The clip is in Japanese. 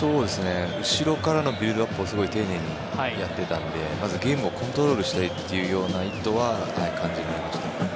後ろからのビルドアップをすごく丁寧にやっていたのでまずゲームをコントロールしたいという意図は感じられました。